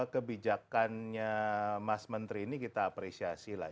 kebijakannya mas menteri ini kita apresiasi lah